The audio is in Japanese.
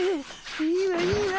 いいわいいわ！